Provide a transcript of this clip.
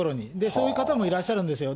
そういう方もいらっしゃるんですよ。